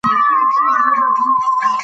افغانستان د طبیعي زېرمونو په برخه کې بډای دی.